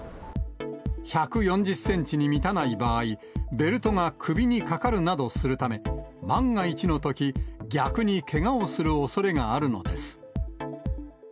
１４０センチに満たない場合、ベルトが首にかかるなどするため、万が一のとき、逆にけがをするおそれがあるのです。